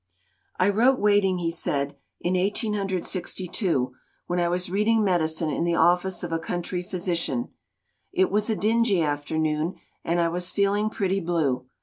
"I wrote Waiting," he said, "in 1862, when I was reading medicine in the office of a country physician. It was a dingy afternoon, and I was feeling pretty blue.